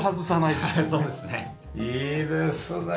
いいですね。